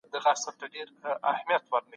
په خپل همت ما د ښو هيڅ يو کار هم نه دئ کړى